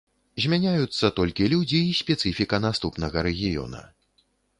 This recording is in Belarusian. Змяняюцца толькі людзі і спецыфіка наступнага рэгіёна.